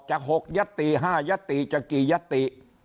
จะ๖ยัตติ๕ยัตติจะกี่ยัตติ